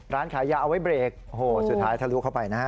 ร้านขายยาเอาไว้เบรกโอ้โหสุดท้ายทะลุเข้าไปนะฮะ